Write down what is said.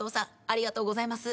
ありがとうございます。